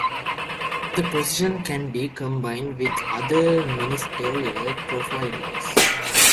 This position can be combined with other ministerial portfolios.